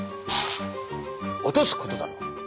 落とすことだろう。